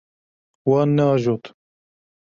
Wan neajot.